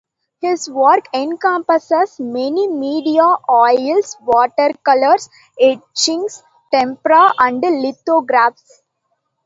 His work encompasses many media - oils, watercolours, etchings, tempera and lithographs.